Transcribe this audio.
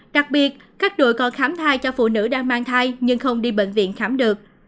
đặc biệt các đội còn khám thai cho phụ nữ đang mang thai nhưng không đi bệnh viện khám được